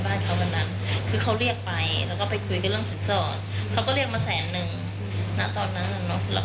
นั่งทวนเหตุการณ์กันอยู่กับลูกสะไพร